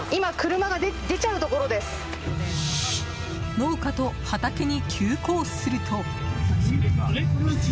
農家と畑に急行すると。